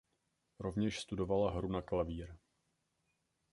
Rovněž studovala hru na klavír.